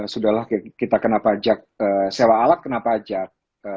sudahlah kita kena pajak sewa alat kena pajak